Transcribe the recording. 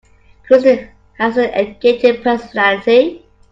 Christy has an engaging personality.